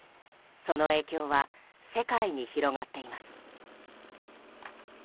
その影響は世界に広がっています。